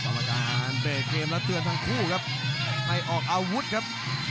กรรมการเบรกเกมแล้วเตือนทั้งคู่ครับให้ออกอาวุธครับ